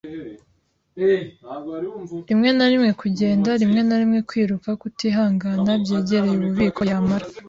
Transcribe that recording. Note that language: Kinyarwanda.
rimwe na rimwe kugenda, rimwe na rimwe kwiruka, kutihangana byegereye ububiko. Yamara,